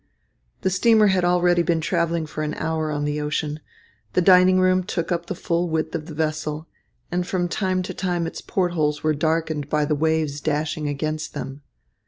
The steamer had already been travelling for an hour on the ocean. The dining room took up the full width of the vessel, and from time to time its port holes were darkened by the waves dashing against them.